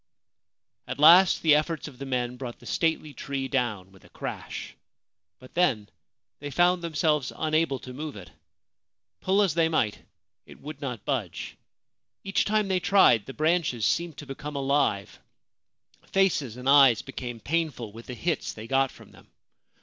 At last the efforts of the men brought the stately tree down with a crash ; but then they found themselves unable to move it. Pull as they might, it would not budge. Each time they tried the branches seemed to become alive ; faces and eyes became painful with the hits they got from them.